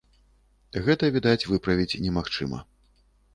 Гэта, відаць, выправіць немагчыма.